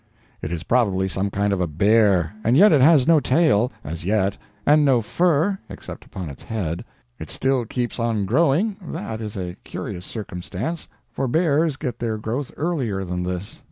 It is probably some kind of a bear; and yet it has no tail as yet and no fur, except upon its head. It still keeps on growing that is a curious circumstance, for bears get their growth earlier than this.